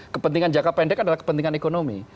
kepentingan jangka pendek adalah kepentingan ekonomi